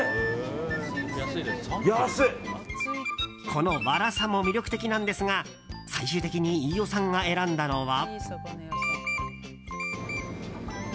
このワラサも魅力的なんですが最終的に飯尾さんが選んだのは。